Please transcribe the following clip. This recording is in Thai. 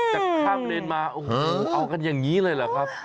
จะข้ามเลนมาโอ้โหเอากันอย่างนี้เลยเหรอครับ